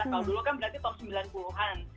kalau dulu kan berarti tahun sembilan puluh an